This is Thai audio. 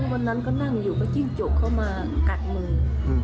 วันนั้นก็นั่งอยู่ก็จิ้งจกเข้ามากัดมือ